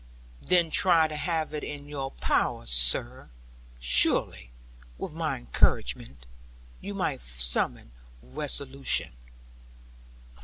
'Then try to have it in your power, sir. Surely, with my encouragement, you might summon resolution.'